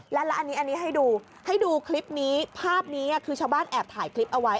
แล้วอันนี้ให้ดูภาพนี้ชาวบ้านแอบถ่ายคลิปเอาไว้